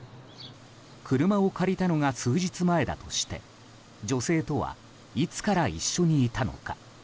車を借りたのが数日前だとして女性とはいつから一緒にいたのか。